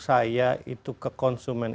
saya itu ke konsumen